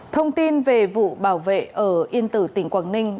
thông tin về vụ bảo vệ ở yên tử tỉnh quảng ninh